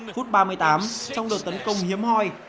phút ba mươi tám trong đợt tấn công hiếm hoi